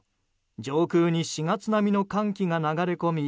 上空に４月並みの寒気が流れ込み